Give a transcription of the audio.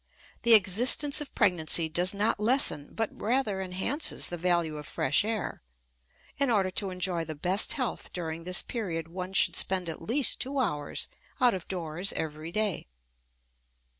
The existence of pregnancy does not lessen, but rather enhances, the value of fresh air; in order to enjoy the best health during this period one should spend at least two hours out of doors every day.